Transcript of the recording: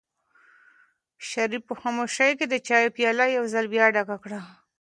شریف په خاموشۍ کې د چایو پیاله یو ځل بیا ډکه کړه.